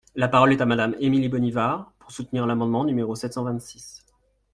La parole est à Madame Émilie Bonnivard, pour soutenir l’amendement numéro sept cent vingt-six.